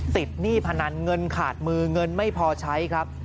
หนี้พนันเงินขาดมือเงินไม่พอใช้ครับ